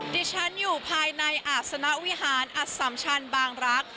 ดิฉันอยู่ภายในอาศนวิหารอัสสัมชันบางรัก